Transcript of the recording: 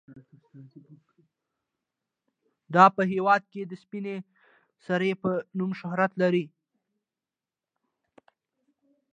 دا په هیواد کې د سپینې سرې په نوم شهرت لري.